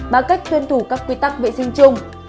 bằng cách tuân thủ các quy tắc vệ sinh chung